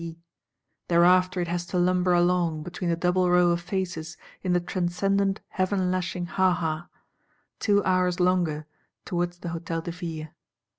Thereafter it has to lumber along, between the double row of faces, in the transcendent heaven lashing Haha; two hours longer, towards the Hôtel de Ville.